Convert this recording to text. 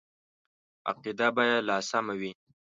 عقیده به یې لا سمه وي.